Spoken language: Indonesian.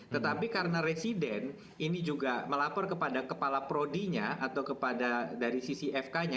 tetapi karena residen ini juga melapor kepada kepala prodinya atau kepada dari sisi fk nya